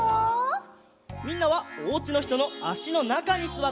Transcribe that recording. みんなはおうちのひとのあしのなかにすわってください。